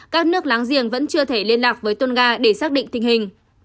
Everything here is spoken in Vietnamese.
các nước láng giềng vẫn chưa thể liên lạc với tunga để xác định tình hình